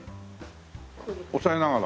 押さえながら？